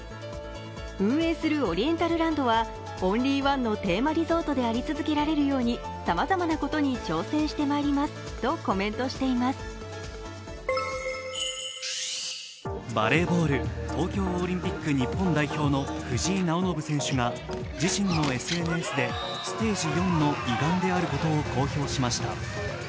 運営するオリエンタルランドはオンリーワンのテーマリゾートであり続けられるように、さまざまなことに挑戦してまいりますとコメントして今するバレーボール、東京オリンピック日本代表の藤井直信選手が自身のＳＮＳでステージ４の胃がんであることを公表しました。